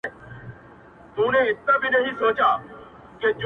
د داســي زيـري انـتــظـار كـومــه؛